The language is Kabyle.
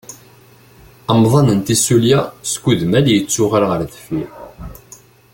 Amḍan n tissulya skudmal yettuɣal ɣer deffir.